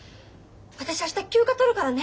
私明日休暇取るからね。